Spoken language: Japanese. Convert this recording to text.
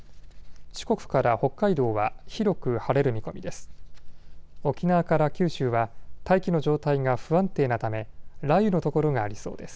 四国から北海道は広く晴れる見込みです。